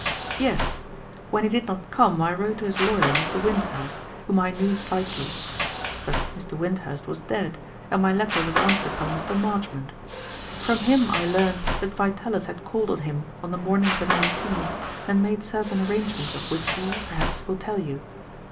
"Yes. When he did not come, I wrote to his lawyer, Mr. Wyndhurst, whom I knew slightly. But Mr. Wyndhurst was dead, and my letter was answered by Mr. Marchmont. From him I learned that Vitalis had called on him on the morning of the nineteenth and made certain arrangements of which he, perhaps, will tell you.